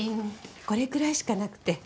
これくらいしかなくて。